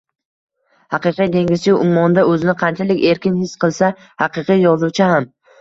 Haqiqiy dengizchi ummonda o’zini qanchalik erkin his qilsa, haqiqiy yozuvchi ham